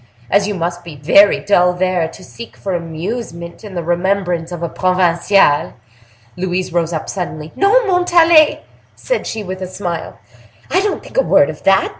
As you must be very dull there, to seek for amusement in the remembrance of a provinciale—'" Louise rose up suddenly. "No, Montalais," said she, with a smile; "I don't think a word of that.